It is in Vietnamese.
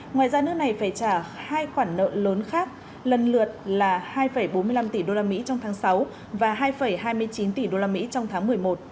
ngoài ra nước này phải trả hai khoản nợ lớn khác lần lượt là hai bốn mươi năm tỷ đô la mỹ trong tháng sáu và hai hai mươi chín tỷ đô la mỹ trong tháng một mươi một